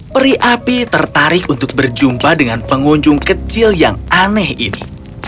peri api tertarik untuk berjumpa dengan pengunjung kecil yang aneh ini